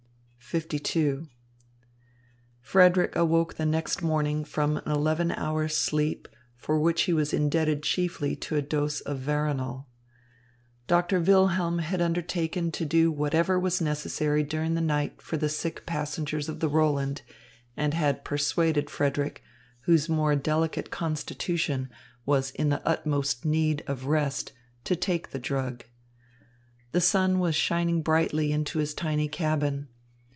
LII Frederick awoke the next morning from an eleven hours' sleep, for which he was indebted chiefly to a dose of veronal. Doctor Wilhelm had undertaken to do whatever was necessary during the night for the sick passengers of the Roland and had persuaded Frederick, whose more delicate constitution was in the utmost need of rest, to take the drug. The sun was shining brightly into his tiny cabin.